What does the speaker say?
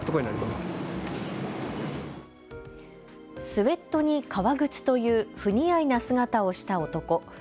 スエットに革靴という不似合いな姿をした男。